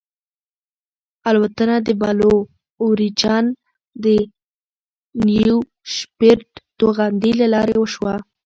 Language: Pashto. الوتنه د بلو اوریجن د نیو شیپرډ توغندي له لارې وشوه.